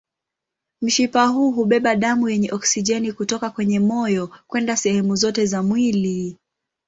Mshipa huu hubeba damu yenye oksijeni kutoka kwenye moyo kwenda sehemu zote za mwili.